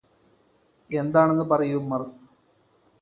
എന്താണെന്ന് പറയൂ മര്ഫ്